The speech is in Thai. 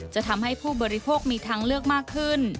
จะทำให้ผู้บริโภคมีทางเลือกมากขึ้น